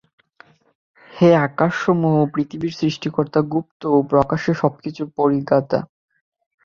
হে আকাশসমূহ ও পৃথিবীর সৃষ্টিকর্তা, গুপ্ত ও প্রকাশ্য সবকিছুর পরিজ্ঞাতা!